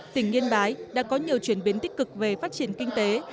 tỉnh yên bái đã có nhiều chuyển biến tích cực về phát triển kinh tế